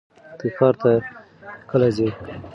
ته ښار ته کله ځې؟